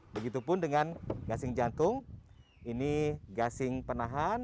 begitupun dengan gasing jantung ini gasing penahan